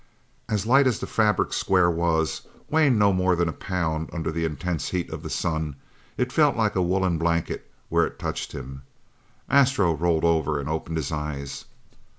As light as the fabric square was, weighing no more than a pound, under the intense heat of the sun it felt like a woolen blanket where it touched him. Astro rolled over and opened his eyes.